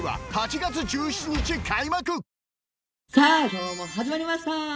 今日も始まりました。